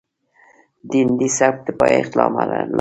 د هندي سبک د پايښت لاملونه